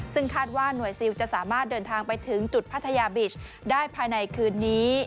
ซึ่งคาดว่าหน่วยซิลจะสามารถเดินทางไปถึงจุดพัทยาบิชได้ภายในคืนนี้